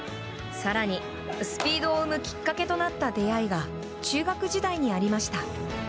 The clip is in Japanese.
更に、スピードを生むきっかけとなった出会いが中学時代にありました。